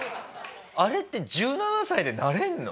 あれって１７歳でなれるの？